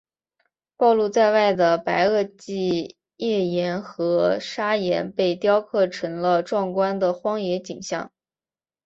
暴露在外的白垩纪页岩和砂岩被雕刻成了壮观的荒野景象。